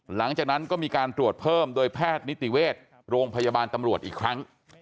หลังจากนั้นก็มีการตรวจเพิ่มโดยแพทย์นิติเวชโรงพยาบาลตำรวจอีกครั้ง